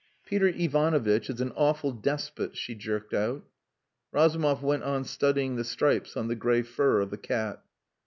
"Peter Ivanovitch is an awful despot," she jerked out. Razumov went on studying the stripes on the grey fur of the cat.